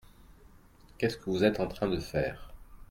Qu'est-ce que vous êtes en train de faire ?